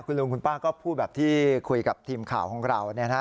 คุณลุงคุณป้าก็พูดแบบที่คุยกับทีมข่าวของเรา